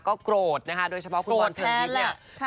ก็โกรธนะคะโดยเฉพาะคุณบอลเชิญยิ้มเนี่ย